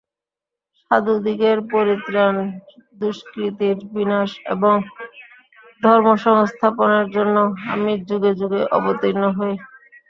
সাধুদিগের পরিত্রাণ, দুষ্কৃতির বিনাশ এবং ধর্মসংস্থাপনের জন্য আমি যুগে যুগে অবর্তীর্ণ হই।